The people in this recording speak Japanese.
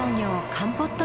カンポット